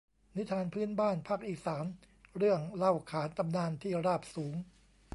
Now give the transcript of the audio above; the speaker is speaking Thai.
นิทานพื้นบ้านภาคอีสาน เรื่องเล่าขานตำนานที่ราบสูง